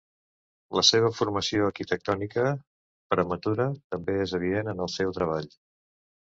La seva formació arquitectònica prematura també és evident en el seu treball.